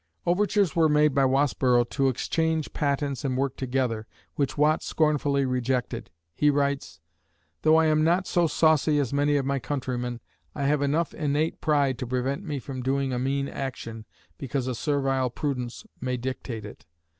Overtures were made by Wasborough to exchange patents and work together, which Watt scornfully rejected. He writes: Though I am not so saucy as many of my countrymen, I have enough innate pride to prevent me from doing a mean action because a servile prudence may dictate it